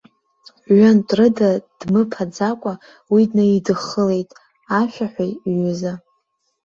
Ҩынтә рыда дмыԥаӡакәа уи днаидыххылеит ашәаҳәаҩ иҩыза.